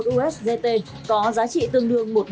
một usdt có giá trị tương đương một usd